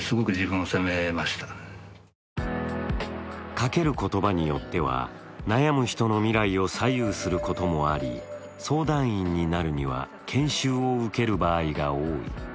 かける言葉によっては悩む人の未来を左右することもあり、相談員になるには研修を受ける場合が多い。